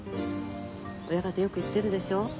親方よく言ってるでしょう